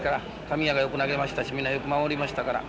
神谷がよく投げましたしみんなよく守りましたから。